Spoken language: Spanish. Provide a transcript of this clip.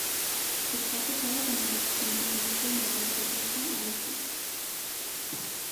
Está casada con el ex primer ministro Norberto Costa Alegre.